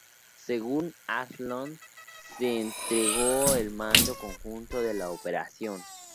Según Arnold, se le entregó el mando conjunto de la operación.